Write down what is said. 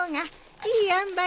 いいあんばい？